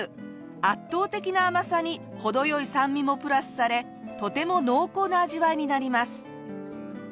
圧倒的な甘さに程良い酸味もプラスされとても濃厚な味わいになります。